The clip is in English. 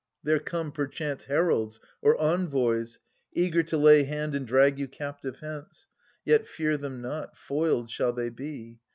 There come perchance Heralds or envoys, eager to lay hand And drag you captive hence ; yet fear them not ; Foiled shall they be.